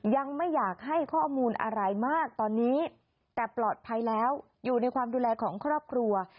ยังไม่อยากให้ข้อมูลอะไรมากตอนนี้แต่ปลอดภัยแล้วอยู่ในความดูแลของครอบครัว